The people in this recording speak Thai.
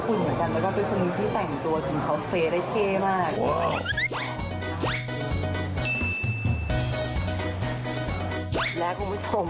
เพราะว่าดาวิกาเนี่ยเค้าเคยเล่นเป็นแบบว่าสาวเทศศอร์ทันเจนเดอร์จริง